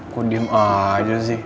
kok diem aja sih